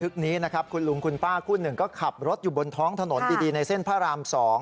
นี้นะครับคุณลุงคุณป้าคู่หนึ่งก็ขับรถอยู่บนท้องถนนดีในเส้นพระราม๒